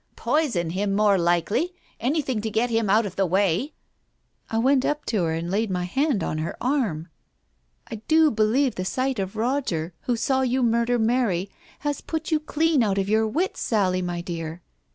Poison him, more likely — anything to get him out of the way 1 " I went up to her and laid my hand on her arm. " I do believe the sight of Roger, who saw you murder Mary, has put you clean out of your wits, Sally, my dear."